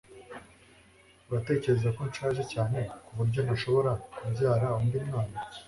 Uratekereza ko nshaje cyane ku buryo ntashobora kubyara undi mwana?